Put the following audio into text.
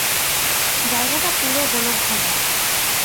জায়গাটা পুরো গোলকধাঁধা।